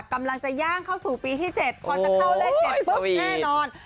กำลังจะย่างเข้าสู่ปีที่๗พอจะเข้าเลข๗ปุ๊บแน่นอน